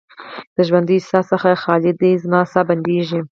د ژوندۍ ساه څخه خالي ده، زما ساه بندیږې